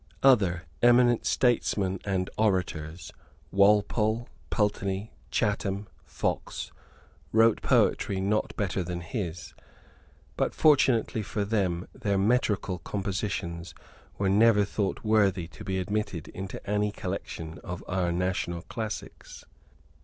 Other eminent statesmen and orators, Walpole, Pulteney, Chatham, Fox, wrote poetry not better than his. But fortunately for them, their metrical compositions were never thought worthy to be admitted into any collection of our national classics.